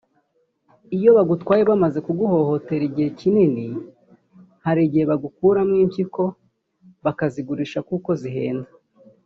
[…] iyo bagutwaye bamaze kuguhohotera igihe kinini hari igihe bagukuramo impyiko bakazigurisha kuko zihenda